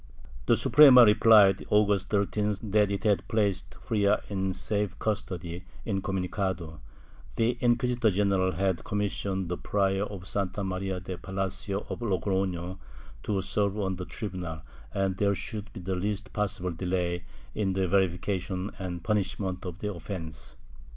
The Suprema replied, August 13th, that it had placed Frias in safe custody, incomunicado ; the inquisitor general had commissioned the Prior of Santa Maria de Palacio of Logrofio to serve on the tribunal, and there should be the least possible delay in the verification and punishment of the offence.